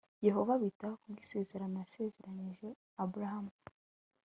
yehova abitaho ku bw'isezerano yasezeranije aburahamu